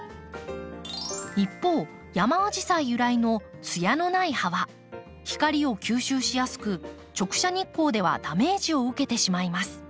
一方ヤマアジサイ由来のツヤのない葉は光を吸収しやすく直射日光ではダメージを受けてしまいます。